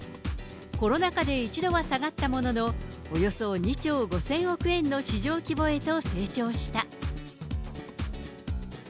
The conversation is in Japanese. コロナ禍で一度は下がったものの、およそ２兆５０００億円の市場規模へと成長した。